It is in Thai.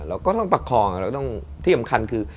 เราก็ต้องประคองที่อำคัญคือ